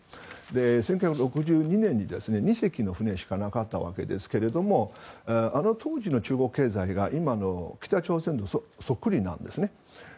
１９６２年に２隻の船しかなかったわけですがあの当時の中国経済が今の北朝鮮とそっくりなんですね。